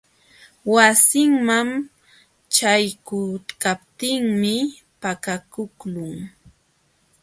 Wasinman ćhaykuykaptiimi pakakuqlun.